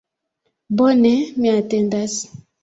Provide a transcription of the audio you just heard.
Bone, mi atendas